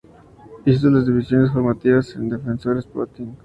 Hizo las divisiones formativas en Defensor Sporting.